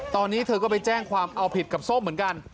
ตอนนี้เธอก็ไปแจ้งความเอาผิดกับส้มเหมือนกัน